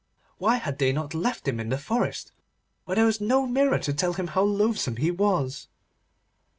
Why had they not left him in the forest, where there was no mirror to tell him how loathsome he was?